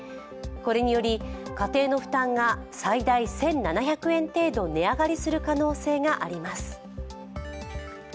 これにより家庭の負担が最大１７００円程度値上がりする可能性があります。